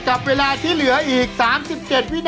กับเวลาที่เหลืออีก๓๗เดือน